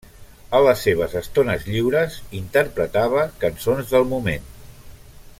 A les seves estones lliures interpretava cançons del moment.